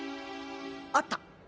あった！